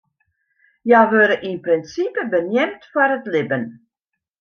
Hja wurde yn prinsipe beneamd foar it libben.